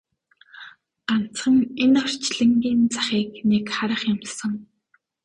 Ганцхан энэ орчлонгийн захыг нэг харах юмсан!